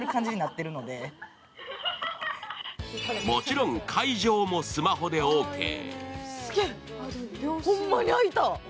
もちろん解錠もスマホでオーケー。